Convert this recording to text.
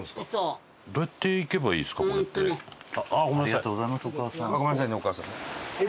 ありがとうございますお母さん。